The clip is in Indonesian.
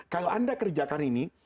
kalau anda kerjakan ini